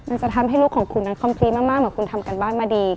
จะทำให้ลูกของคุณนั้นคอมฟรีมากเหมือนคุณทำการบ้านมาดี